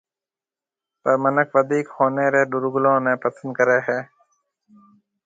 پر مِنک وڌِيڪ هونَي رَي ڏورگلون نَي پسند ڪري هيَ۔